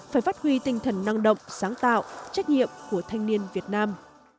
phải phát huy tinh thần năng động sáng tạo trách nhiệm của thanh niên việt nam